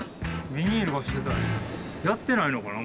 ビニールがしてたりやってないのかな？